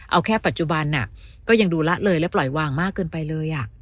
เอาแค่ปัจจุบันก็ยังดูละเลยและปล่อยวางมากเกินไปเลย